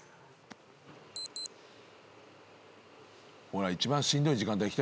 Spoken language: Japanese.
ほら一番しんどい時間帯来たよ。